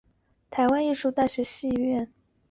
台湾艺术大学戏剧系毕业。